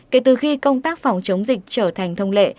kể từ khi công tác phòng chống dịch trở thành thông lệ